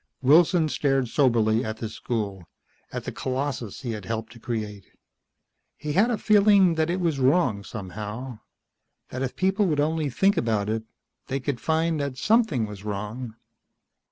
Wilson stared soberly at this school, at the colossus he had helped to create. He had the feeling that it was wrong somehow, that if people would only think about it they could find that something was wrong.